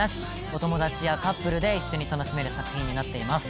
お友達やカップルで一緒に楽しめる作品になっています。